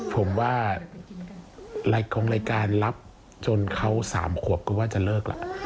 ผมว่าของรายการรับจนเขา๓ขวบก็ว่าจะเลิกล่ะ